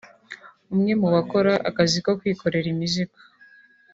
umwe mu bakora akazi ko kwikorera imizigo